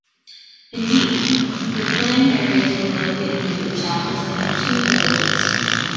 Indeed, the playing areas were located near the chapels in the two villages.